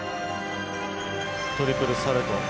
トリプルサルコウ。